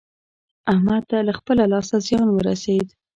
احمد ته له خپله لاسه زيان ورسېد.